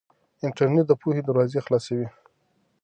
انټرنيټ د پوهې دروازې خلاصوي.